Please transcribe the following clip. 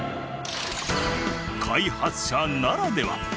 開発者ならでは。